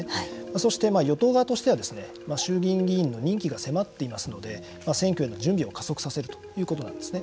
そして与党側としては衆議院議員の任期が迫っていますので選挙への準備を加速させるということなんですね。